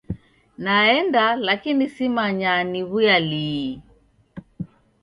Naenda lakini simanya niwuya lii.